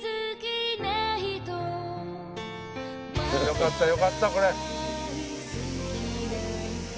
よかったよかったこれ。